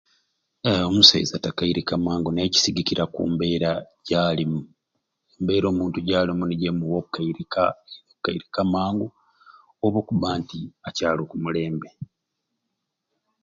Aahh omusaiza takairika mangu naye kisigikiira kumbeera jalimu, embeera omuntu jalimu nijo emuwa okukairika okukeiruka mangu oba okubba nti akyaliku okumulembe.